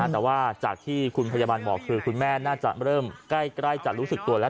แต่ว่าจากที่คุณพยาบาลบอกคือคุณแม่น่าจะเริ่มใกล้จะรู้สึกตัวแล้ว